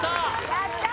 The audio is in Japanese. やった！